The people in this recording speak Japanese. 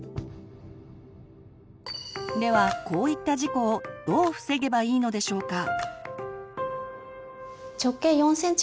ではこういった事故をどう防げばいいのでしょうか？